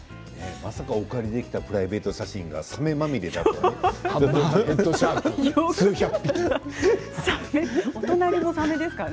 まさかお借りしたプライベート写真がサメまみれとはね。